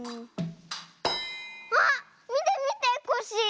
あっみてみてコッシー。